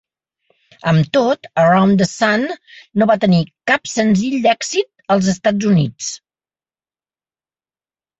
Amb tot, "Around the Sun" no va tenir cap senzill d'èxit als Estats Units.